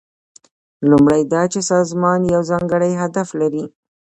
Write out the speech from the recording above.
لومړی دا چې سازمان یو ځانګړی هدف لري.